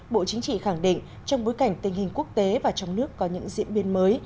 bộ chính trị khẳng định trong bối cảnh tình hình quốc tế và trong nước có những diễn biến mới